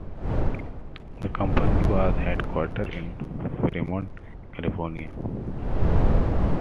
The company was headquartered in Fremont, California.